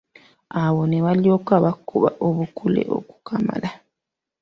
Awo ne balyoka bakuba obukule okukamala!